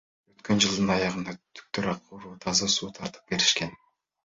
Өткөн жылдын аягында түтүктөр аркылуу таза суу тартып беришкен.